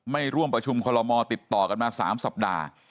ไม่ร่วมประชุมคอลโลมอติดต่อกันมา๓สัปดาห์